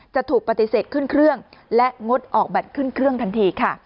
จะถูกปฏิเสธขึ้นเครื่องและงดออกบัตรขึ้นเครื่องทันทีค่ะ